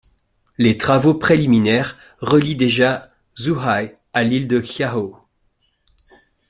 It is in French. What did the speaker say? Les travaux préliminaires relient déjà Zhuhai à l'île de Qi'ao.